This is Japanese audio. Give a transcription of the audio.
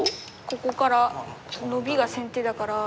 ここからノビが先手だから。